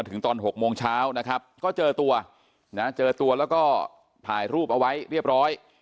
ถึงตอน๖โมงเช้านะครับก็เจอตัวนะเจอตัวแล้วก็ถ่ายรูปเอาไว้เรียบร้อย